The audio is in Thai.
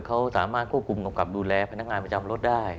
เขาสามารถควบคุมกำกับดูแลพนักงานประจำรถได้